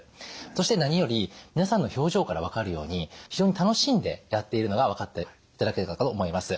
そして何より皆さんの表情から分かるように非常に楽しんでやっているのが分かっていただけるかと思います。